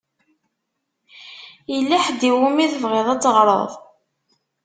Yella ḥedd i wumi tebɣiḍ ad teɣṛeḍ?